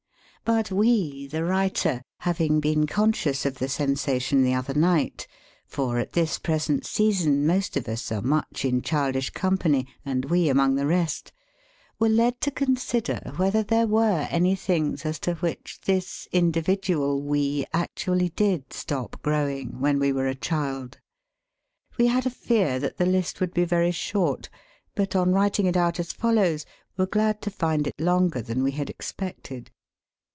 But we, the writer, having been conscious of the sensation the other night — for, at this present season most of us are much in childish company, and we among the rest — were led to consider whether there were any things as to "which this individual We actually did stop growing when we wei e a child. We had a fear that the list would be very short ; but, on writing it out as follows, were glad to find it longer than we had expected.